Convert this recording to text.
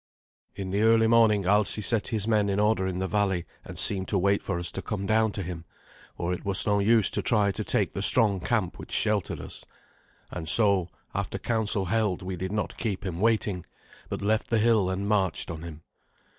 In the early morning Alsi set his men in order in the valley, and seemed to wait for us to come down to him, for it was of no use to try to take the strong camp which sheltered us. And so, after council held, we did not keep him waiting, but left the hill and marched on him.